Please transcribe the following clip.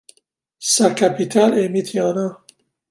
Sa capitale est Mityana.